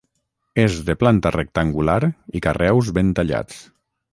És de planta rectangular i carreus ben tallats.